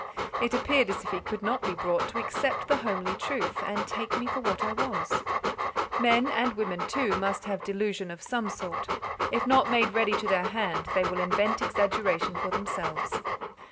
It appeared as if he could not be brought to accept the homely truth, and take me for what I was: men, and women too, must have delusion of some sort; if not made ready to their hand, they will invent exaggeration for themselves.